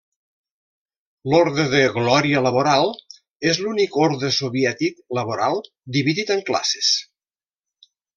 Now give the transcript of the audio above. L'orde de Glòria Laboral és l'únic orde soviètic laboral dividit en classes.